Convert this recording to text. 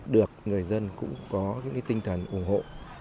được người dân cũng có tinh thần ủng hộ